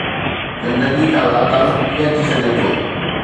زندگي کان لاتعلق ڪيئن ٿي سگهي ٿو؟